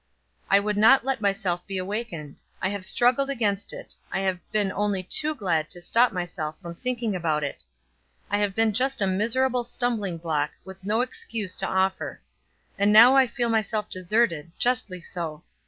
I would not let myself be awakened; I have struggled against it; I have been only too glad to stop myself from thinking about it. I have been just a miserable stumbling block, with no excuse to offer; and now I feel myself deserted, justly so.